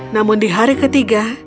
namun di hari ketiga